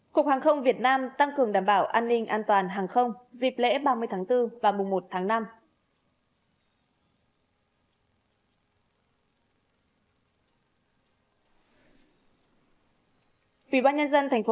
cục hàng không việt nam tăng cường đảm bảo an ninh an toàn hàng không dịp lễ ba mươi tháng bốn và mùa một tháng năm